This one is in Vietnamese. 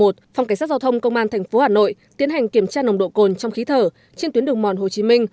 phòng cảnh sát giao thông công an tp hà nội tiến hành kiểm tra nồng độ cồn trong khí thở trên tuyến đường mòn hồ chí minh